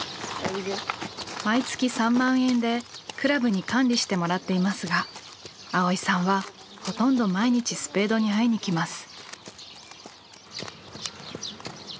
毎月３万円で倶楽部に管理してもらっていますが蒼依さんはほとんど毎日スペードに会いにきます。